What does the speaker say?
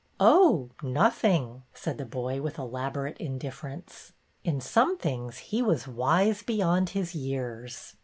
" Oh, nothing," said the boy, with elaborate indifference. In some things he was wise beyond his years.